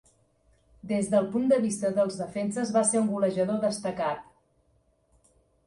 Des del punt de vista dels defenses, va ser un golejador destacat.